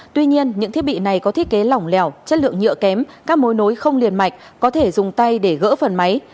tuy nhiên những thiết bị này có thiết kế lỏng lẻo chất lượng nhựa kém các mối nối không liền mạch có thể dùng tay để gỡ phần máy